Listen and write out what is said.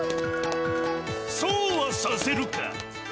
「そうはさせるか！」。